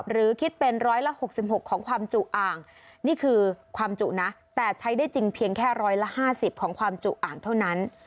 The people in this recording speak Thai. หรือคิดเป็นร้อยละ๖๖ของความจุอ่างนี่คือความจุนะแต่ใช้ได้จริงเพียงแค่๑๕๐ของความจุอ่างเท่านั้น